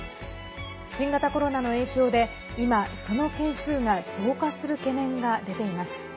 新型コロナの影響で今、その件数が増加する懸念が出ています。